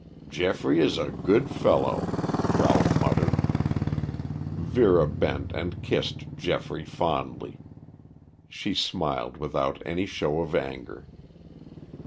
"Geoffrey is a good fellow," Ralph muttered. Vera bent and kissed Geoffrey fondly. She smiled without any show of anger.